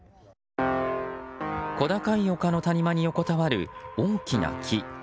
小高い丘の谷間に横たわる大きな木。